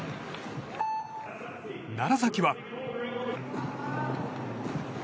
楢崎は。